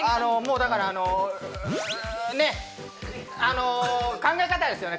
だからもうね、考え方ですよね。